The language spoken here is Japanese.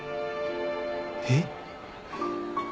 えっ？